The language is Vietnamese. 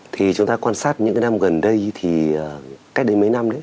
thì chúng ta quan sát những cái năm gần đây thì cách đến mấy năm đấy